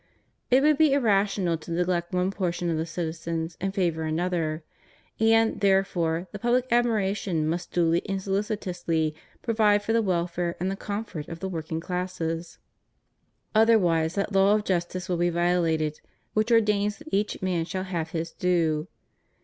It would be irrational to neglect one por tion of the citizens and favor another; and, therefore, the public administration must duly and soHcitously provide for the welfare and the comfort of the working classes; otherwise that law of justice will be violated which ordains that each man shall have his due.